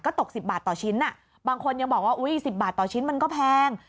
ตก๑๐บาทต่อชิ้นบางคนยังบอกว่า๑๐บาทต่อชิ้นมันก็แพง